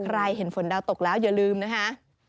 เห็นฝนดาวตกแล้วอย่าลืมนะคะ